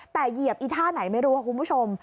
แต่เหยียบอีท่าไหนไม่รู้ค่ะคุณผู้ชม